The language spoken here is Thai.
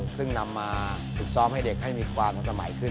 ซึ่งนำมาฝึกซ้อมให้เด็กให้มีความทันสมัยขึ้น